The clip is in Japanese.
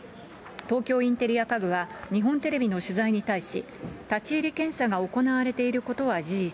東京インテリア家具は日本テレビの取材に対し、立ち入り検査が行われていることは事実。